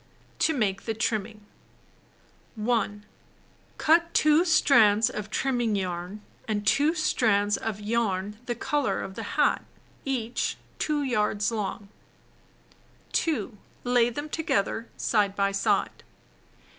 To Make the Trimming 1. Cut 2 strands of trimming yarn and 2 strands of yam the color of the hat, each 2 yards long. 2. Lay them together, side by side.